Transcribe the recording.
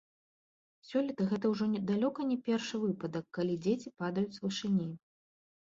Сёлета гэта ўжо далёка не першы выпадак, калі дзеці падаюць з вышыні.